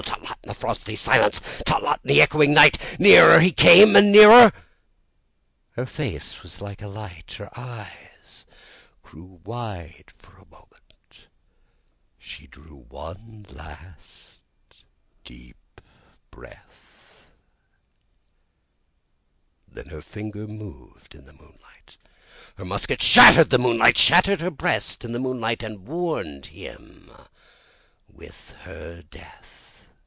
Tlot tlot, in the frosty silence! Tlot tlot, in the echoing night! Nearer he came and nearer! Her face was like a light! Her eyes grew wide for a moment, she drew one last deep breath, Then her finger moved in the moonlight Her musket shattered the moonlight Shattered her breast in the moonlight and warned him with her death.